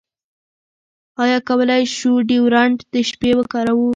ایا کولی شو ډیوډرنټ د شپې وکاروو؟